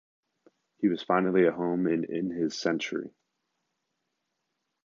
He was finally at home and in his century.